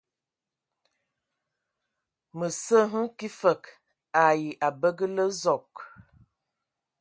Mǝ sǝ hm kig fǝg ai abǝgǝlǝ Zɔg.